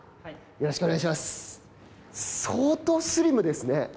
相当スリムですね。